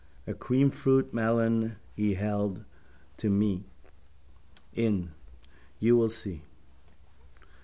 A creamfruit melon he held to me. In. You will see.